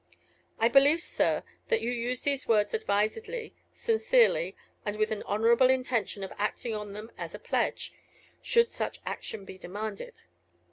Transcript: I believe, sir, that you used these words advisedly, sincerely, and with an honorable intention of acting on them as a pledge, should such action be demanded.